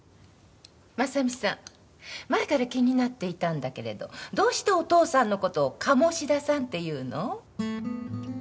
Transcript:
真実さん前から気になっていたんだけれどどうしてお父さんの事を鴨志田さんって言うの？